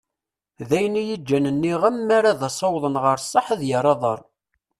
D ayen iyi-ǧǧan nniɣ-am-d mi ara ad as-awḍen ɣer sseḥ ad yerr aḍar.